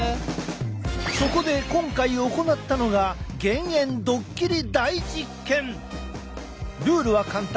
そこで今回行ったのがルールは簡単。